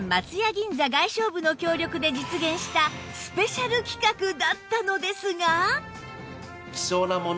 銀座外商部の協力で実現したスペシャル企画だったのですが